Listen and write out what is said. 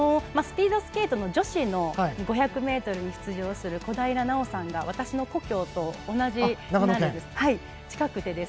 スピードスケートの女子の５００ｍに出場する小平奈緒さんが私の故郷と近くて。